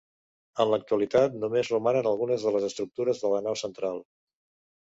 En l'actualitat només romanen algunes de les estructures de la nau central.